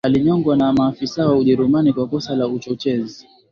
Alinyongwa na maafisa wa Ujerumani kwa kosa la uchochezi